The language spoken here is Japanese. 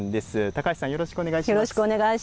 高橋さん、よろしくお願いします。